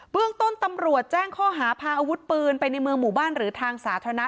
เรื่องต้นตำรวจแจ้งข้อหาพาอาวุธปืนไปในเมืองหมู่บ้านหรือทางสาธารณะ